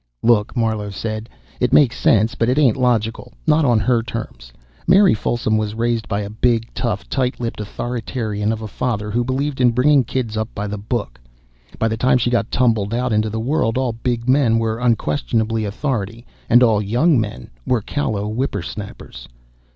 "Look," Marlowe said, "it makes sense, but it ain't logical not on her terms. Mary Folsom was raised by a big, tough, tight lipped authoritarian of a father who believed in bringing kids up by the book. By the time she got tumbled out into the world, all big men were unquestionable authority and all young men were callow whipper snappers.